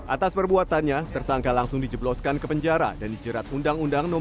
atas perbuatannya tersangka langsung dijebloskan ke penjara dan dijerat undang undang no dua puluh tiga tahun dua ribu dua